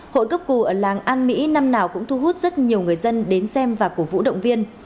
hội cấp cù ở làng an mỹ năm nào cũng thu hút rất nhiều người dân đến xem và cổ vũ động viên